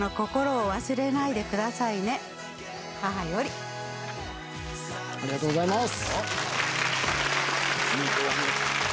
そんなありがとうございます。